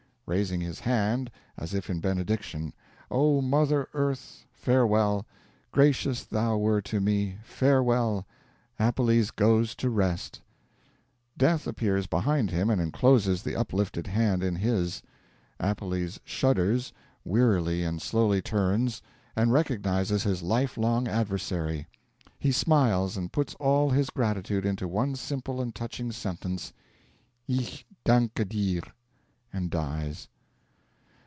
(Raising his hand, as if in benediction.) O mother earth, farewell! Gracious thou were to me. Farewell! Appelles goes to rest.' Death appears behind him and encloses the uplifted hand in his. Appelles shudders, wearily and slowly turns, and recognises his life long adversary. He smiles and puts all his gratitude into one simple and touching sentence, 'Ich danke dir,' and dies.